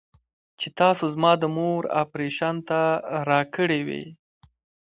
چې تاسو زما د مور اپرېشن ته راكړې وې.